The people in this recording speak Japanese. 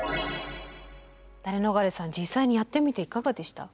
ダレノガレさん実際にやってみていかがでした？